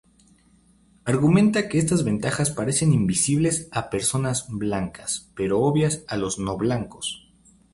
Argumenta que estas ventajas parecen invisibles a personas blancas, pero obvias a los no-blancos.